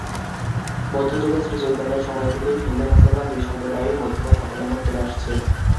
মধ্যযুগে শ্রীচৈতন্যের সময় থেকেই হিন্দু-মুসলমান দুই সম্প্রদায়ই মধ্যপথ অবলম্বন করে আসছে।